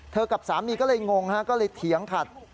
กับสามีก็เลยงงฮะก็เลยเถียงขัด